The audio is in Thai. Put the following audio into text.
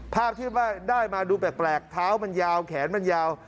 ภาพที่ว่าได้มาดูแปลกเท้ามันยาวแขนมันยาว